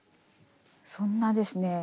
そんなですね